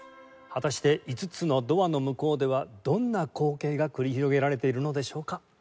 果たして５つのドアの向こうではどんな光景が繰り広げられているのでしょうか。